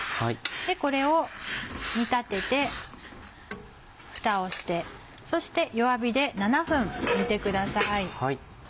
これを煮立ててふたをしてそして弱火で７分煮てください。